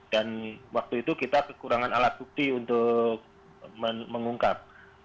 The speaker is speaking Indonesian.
dan waktu itu kita kekurangan alat bukti untuk mengungkap